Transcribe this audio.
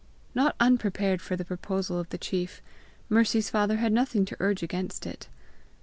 Not unprepared for the proposal of the chief, Mercy's father had nothing to urge against it.